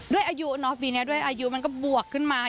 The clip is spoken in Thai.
ด้วยอายุเนาะปีนี้ด้วยอายุมันก็บวกขึ้นมา